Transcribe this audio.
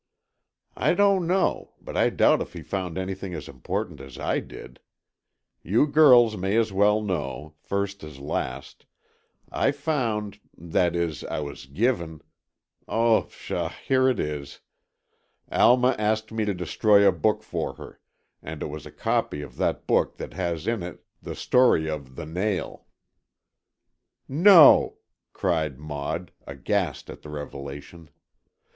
"I don't know, but I doubt if he found anything as important as I did. You girls may as well know, first as last, I found—that is—I was given—oh, pshaw, here it is—Alma asked me to destroy a book for her, and it was a copy of that book that has in it the story of The Nail." "No!" cried Maud, aghast at the revelation.